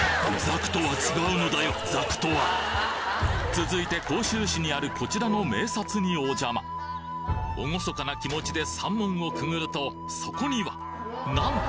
続いて甲州市にあるこちらの名刹にお邪魔厳かな気持ちで山門をくぐるとそこにはなんと！